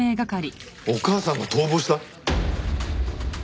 お母さんが逃亡した！？